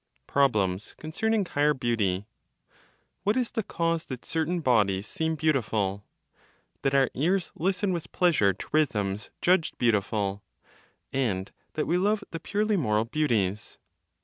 PROBLEMS CONCERNING HIGHER BEAUTY. What is the cause that certain bodies seem beautiful, that our ears listen with pleasure to rhythms judged beautiful, and that we love the purely moral beauties?